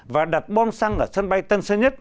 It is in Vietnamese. và đặt bom xăng ở sân bay tân sơn nhất